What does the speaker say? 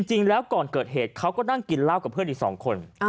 จริงแล้วก่อนเกิดเหตุเขาก็นั่งกินเหล้ากับเพื่อนอีก๒คน